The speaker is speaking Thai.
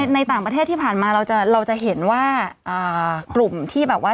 ในต่างประเทศที่ผ่านมาเราจะเห็นว่ากลุ่มที่แบบว่า